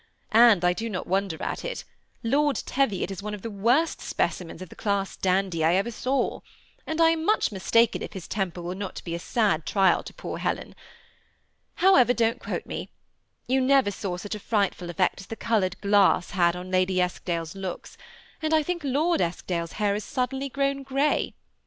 And I do not wonder at it. Lord Teviot is one of the worst specimens of the class dandy I ever saw; and I am much mistaken if his temper will not be a sad trial to poor Helen. However, don't quote me. Tou never saw such a frightful effect as the colored glass had on Lady Eskdale's looks ; and I think Lord Esk dale's hair has grown suddenly gray.